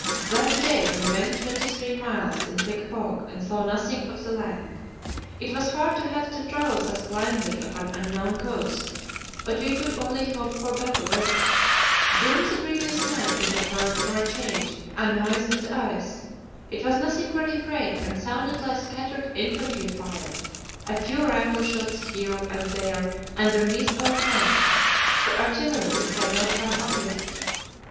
That day we went twenty three miles in thick fog, and saw nothing of the land. It was hard to have to travel thus blindly off an unknown coast, but we could only hope for better weather. During the previous night we had heard, for a change, a noise in the ice. It was nothing very great, and sounded like scattered infantry fire a few rifle shots here and there underneath our tent; the artillery had not come up yet.